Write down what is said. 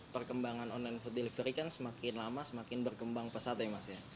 perkembangan online food delivery kan semakin lama semakin berkembang pesat ya mas ya